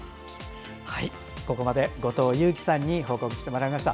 ここまで後藤佑季さんに報告してもらいました。